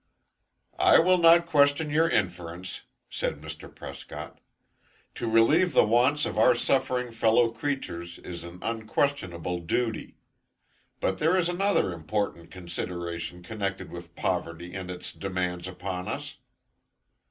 "I will not question your inference," said Mr. Prescott. "To relieve the wants of our suffering fellow creatures is an unquestionable duty. But there is another important consideration connected with poverty and its demands upon us."